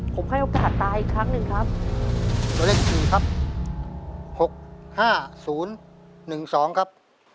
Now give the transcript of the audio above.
ผมให้โอกาสตาอีกครั้งหนึ่งครับตัวเลขสี่ครับหกห้าศูนย์หนึ่งสองครับ